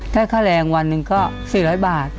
ได้ค่าแรงวันนึงก็๔๐๐บาท